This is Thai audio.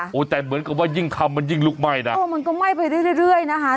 โอ้โหแต่เหมือนกับว่ายิ่งทำมันยิ่งลุกไหม้นะเออมันก็ไหม้ไปเรื่อยเรื่อยนะคะ